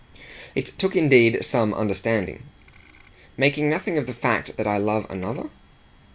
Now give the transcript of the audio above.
It took indeed some understanding. "Making nothing of the fact that I love another?"